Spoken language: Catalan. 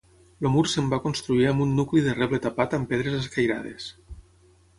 El mur se'n va construir amb un nucli de reble tapat amb pedres escairades.